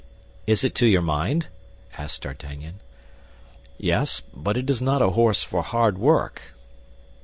"Is it to your mind?" asked D'Artagnan. "Yes; but it is not a horse for hard work."